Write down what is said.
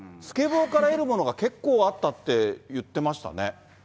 スケボーから得るものが結構あったって言ってましたね。